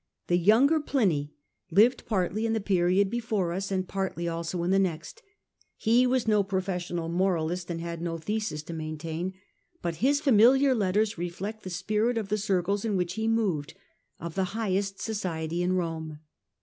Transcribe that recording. The younger Pliny lived partly in the period be g evi fore us and partly also in the next. He was dence of a no professional moralist, and had no thesis to maintain, but his familiar letters reflect the spirit of the circles, in which he moved, of the highest society in Rome.